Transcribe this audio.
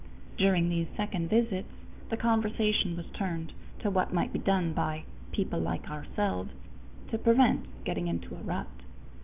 During these second visits, the conversation was turned to what might be done by "people like ourselves" to prevent getting into a rut.